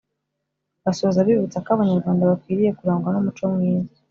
basoza bibutsa ko abanyarwanda bakwiriye kurangwa n’umuco mwiza